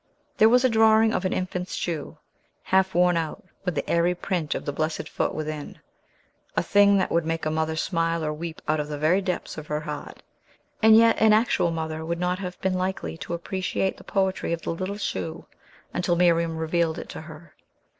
There was a drawing of an infant's shoe, half worn out, with the airy print of the blessed foot within; a thing that would make a mother smile or weep out of the very depths of her heart; and yet an actual mother would not have been likely to appreciate the poetry of the little shoe, until Miriam revealed it to her.